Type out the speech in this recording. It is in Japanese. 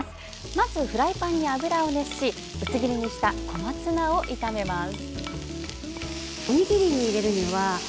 まずフライパンに油を熱し薄切りにした小松菜を炒めます。